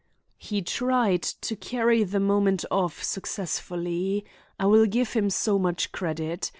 He tried to carry the moment off successfully; I will give him so much credit.